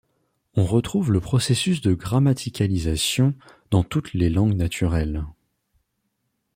On retrouve le processus de grammaticalisation dans toutes les langues naturelles.